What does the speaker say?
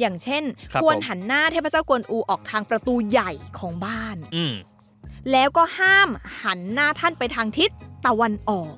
อย่างเช่นควรหันหน้าเทพเจ้ากวนอูออกทางประตูใหญ่ของบ้านแล้วก็ห้ามหันหน้าท่านไปทางทิศตะวันออก